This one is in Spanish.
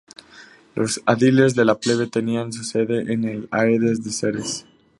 Los ediles de la plebe tenían su sede en el "aedes" de Ceres.